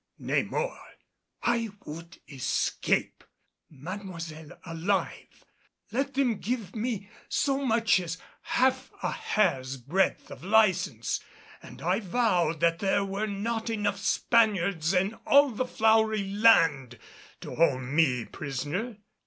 Nay, more, I would escape. Mademoiselle alive, let them give me so much as half a hair's breadth of license and I vowed that there were not enough Spaniards in all the Flowery Land to hold me a prisoner.